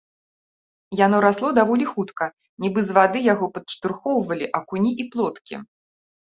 Яно расло даволі хутка, нібы з вады яго падштурхоўвалі акуні і плоткі.